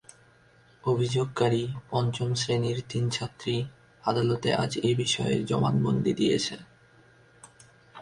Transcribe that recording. অভিযোগকারী পঞ্চম শ্রেণির তিন ছাত্রী আদালতে আজ এ বিষয়ে জবানবন্দি দিয়েছে।